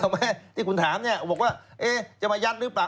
ไหมที่คุณถามเนี่ยบอกว่าจะมายัดหรือเปล่า